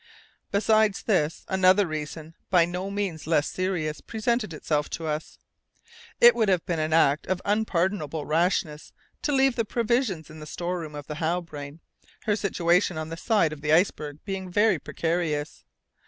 Besides this, another reason by no means less serious presented itself to us. It would have been an act of unpardonable rashness to leave the provisions in the store room of the Halbrane, her situation on the side of the iceberg being very precarious.